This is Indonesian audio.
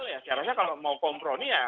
saya rasa kalau mau kompromi ya